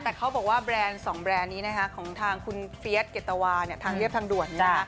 แต่เขาบอกว่าแบรนด์๒แบรนด์นี้นะคะของทางคุณเฟียสเกตวาเนี่ยทางเรียบทางด่วน